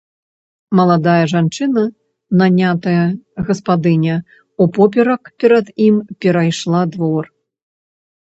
Маладая жанчына, нанятая гаспадыня, упоперак перад ім перайшла двор.